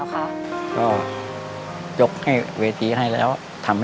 ไม่ใช้แหละครับ